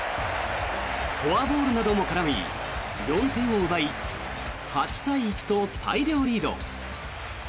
フォアボールなども絡み４点を奪い８対１と大量リード。